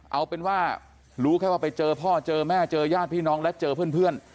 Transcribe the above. เอาเป็นว่ารู้แค่ว่าไปเจอพ่อเจอแม่เจอญาติพี่น้องและเจอเพื่อน